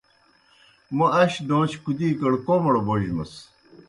موْ اش ڈوݩچھیْ کُدِیکڑ کوْمڑ بوجمس۔